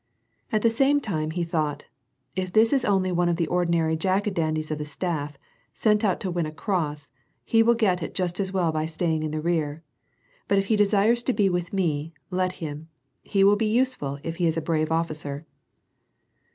At the same time, he thought :" If this is only one of the ordinary jack Ordandies of the staff, sent out to win a cross, he will get it just as well by staying in the rear, but if he de sires to be with me, let him ; he will be useful if he is a brave officer."